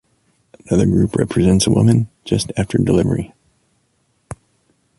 Another group represents a woman just after delivery.